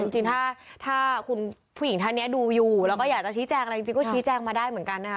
จริงถ้าคุณผู้หญิงท่านนี้ดูอยู่แล้วก็อยากจะชี้แจงอะไรจริงก็ชี้แจงมาได้เหมือนกันนะคะ